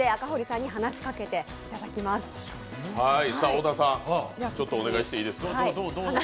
小田さん、ちょっとお願いしていいですか。